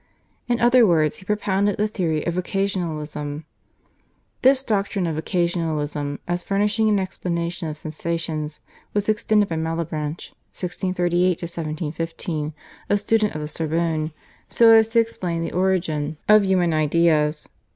In other words he propounded the theory of Occasionalism. This doctrine of Occasionalism as furnishing an explanation of sensations was extended by Malebranche (1638 1715), a student of the Sorbonne, so as to explain the origin of human ideas.